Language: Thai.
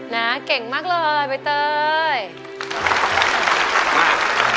นะเก่งมากเลยใบเตยร้อน